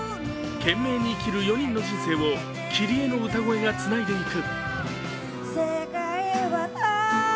懸命に生きる４人の人生を、キリエの歌声がつないでいく。